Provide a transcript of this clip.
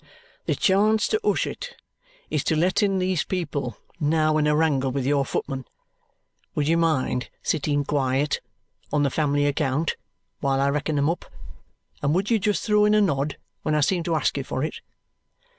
The chance to hush it is to let in these people now in a wrangle with your footmen. Would you mind sitting quiet on the family account while I reckon 'em up? And would you just throw in a nod when I seem to ask you for it?"